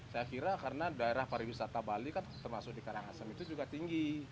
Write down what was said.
saya kira karena daerah pariwisata bali kan termasuk di karangasem itu juga tinggi